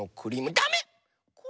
だめ！